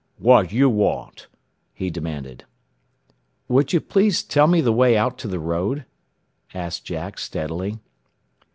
"W'at yo' want?" he demanded. "Would you please tell me the way out to the road?" said Jack steadily.